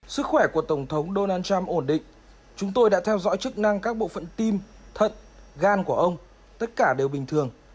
sức khỏe của tổng thống donald trump ổn định chúng tôi đã theo dõi chức năng các bộ phận tim thận gan của ông tất cả đều bình thường